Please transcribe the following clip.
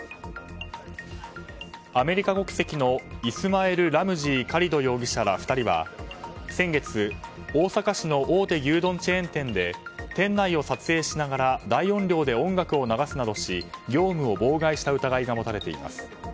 アメリカ国籍のイスマエル・ラムジー・カリド容疑者ら２人は先月、大阪市の大手牛丼チェーン店で店内を撮影しながら大音量で音楽を流すなどし業務を妨害した疑いが持たれています。